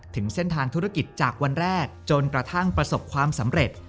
ถึงเส้นทางธุรกิจจากวันแรกจนกระทั่งประสบความสำเร็จ